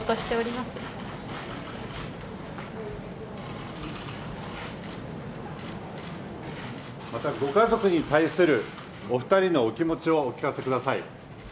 また、ご家族に対するお２人のお気持ちをお聞かせください。